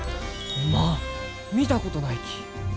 おまん見たことないき。